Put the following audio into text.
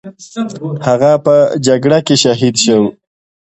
هغه په جګړه کې شهید شو.